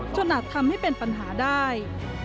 อาจทำให้เป็นปัญหาได้